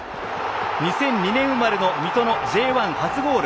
２００２年生まれの水戸のＪ１初ゴール。